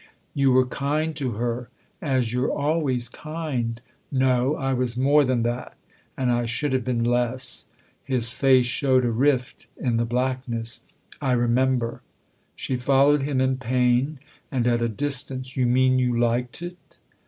"You were kind to her as you're always kind." " No ; I was more than that. And I should have been less." His face showed a rift in the blackness. " I remember." She followed him in pain and at a distance. " You mean you liked it